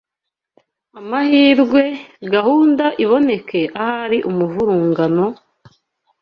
amahirwe, gahunda iboneke ahari umuvurungano,